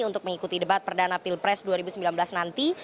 untuk mengikuti debat perdana pilpres dua ribu sembilan belas nanti